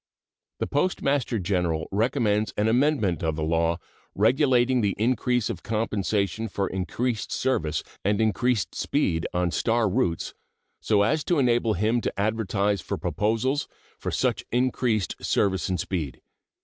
The Postmaster General recommends an amendment of the law regulating the increase of compensation for increased service and increased speed on star routes, so as to enable him to advertise for proposals for such increased service and speed.